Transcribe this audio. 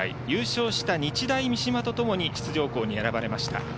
優勝した日大三島とともに出場校に選ばれました。